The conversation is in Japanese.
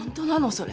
それ。